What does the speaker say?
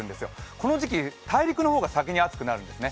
この時期、大陸の方が先に暑くなるんですね。